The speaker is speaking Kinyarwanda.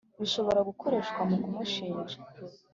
Bishobora gukoreshwa mu kumushinja